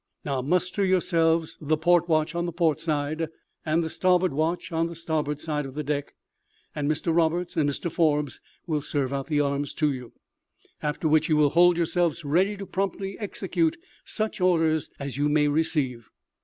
Now muster yourselves, the port watch on the port side of the deck, and the starboard watch on the starboard side, and Mr Roberts and Mr Forbes will serve out the arms to you. After which you will hold yourselves ready to promptly execute such orders as you may receive."